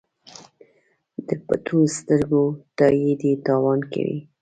د پټو سترګو تایید یې تاوان کوي.